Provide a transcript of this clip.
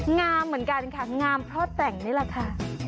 งามเหมือนกันค่ะงามเพราะแต่งนี่แหละค่ะ